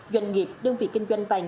doanh nghiệp đơn vị kinh doanh vàng